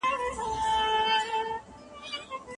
اسلامي شريعت علم ته ډېر زيات اهميت ورکوي.